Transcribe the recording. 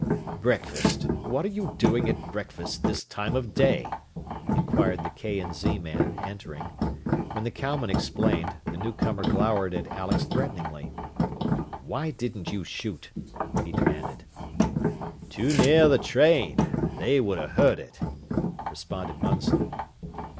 "Breakfast! What are you doing at breakfast this time of day?" inquired the K. & Z. man, entering. When the cowman explained, the newcomer glowered at Alex threateningly. "Why didn't you shoot?" he demanded. "Too near the train. They would have heard it," responded Munson.